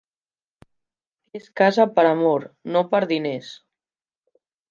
Es casa per amor, no per diners.